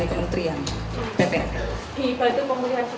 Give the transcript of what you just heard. di bantung pemulihan sekolah